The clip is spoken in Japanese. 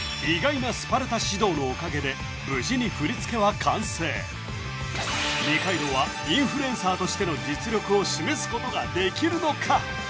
意外なスパルタ指導のおかげで無事に振り付けは完成二階堂はインフルエンサーとしての実力を示すことができるのか？